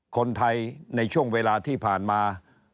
คนไทยในช่วงเวลาที่ผ่านมา